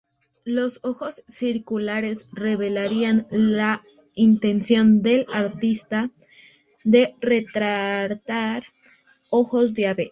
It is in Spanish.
Los ojos circulares revelarían la intención del artista de retratar ojos de ave.